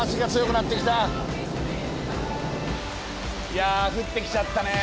いや降ってきちゃったね。